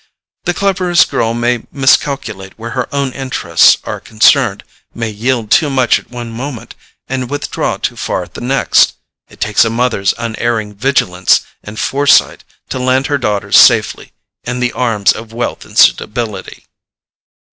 The cleverest girl may miscalculate where her own interests are concerned, may yield too much at one moment and withdraw too far at the next: it takes a mother's unerring vigilance and foresight to land her daughters safely in the arms of wealth and suitability.